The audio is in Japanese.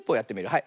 はい。